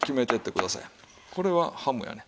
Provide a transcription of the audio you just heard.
これはハムやね。